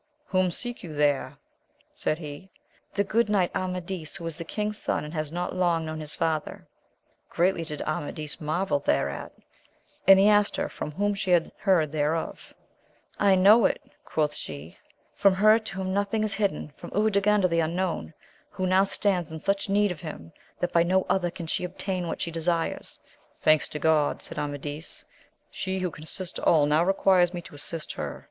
Whom seek you there? said he. — The good knight Amadis, w|;io is the king's son, and has not long known his father. Greatly did Amadis marvel thereat, \ AMADIS OF GAUL. 65 and he asked her from whom she heard thereof. I know it, quoth she, from her to whom nothing is hidden, from Urganda the unknown, who now stands in such need of him, that by no other can she obtain what she desires. Thanks to God ! repKed Amadis, she who can assist all, now requires me to assist her.